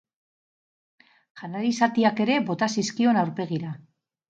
Janari zatiak ere bota zizkion aurpegira.